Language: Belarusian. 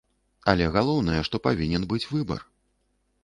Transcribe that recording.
Але галоўнае, што павінен быць выбар.